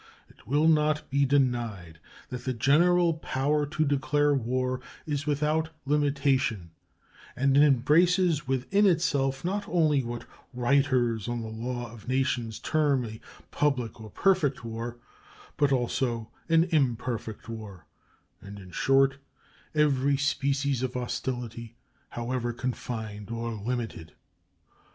It will not be denied that the general "power to declare war" is without limitation and embraces within itself not only what writers on the law of nations term a public or perfect war, but also an imperfect war, and, in short, every species of hostility, however confined or limited.